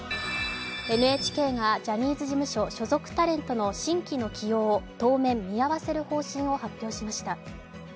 ＮＨＫがジャニーズ事務所所属タレントの新規の起用を当面、見合わせる方針を発表しました。